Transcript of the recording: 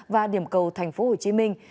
và điểm cầu thành phố hồ chí minh